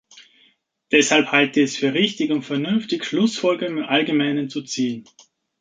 Deshalb halte ich es für richtig und vernünftig, Schlussfolgerungen im allgemeinen zu ziehen.